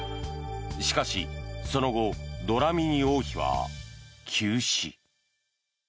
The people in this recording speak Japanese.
しかし、その後ドラミニ王妃は急死。